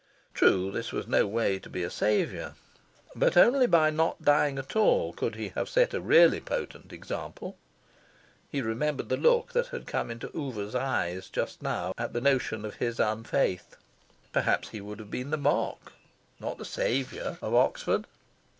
True, this was no way to be a saviour. But only by not dying at all could he have set a really potent example.... He remembered the look that had come into Oover's eyes just now at the notion of his unfaith. Perhaps he would have been the mock, not the saviour, of Oxford.